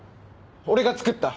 俺が作った。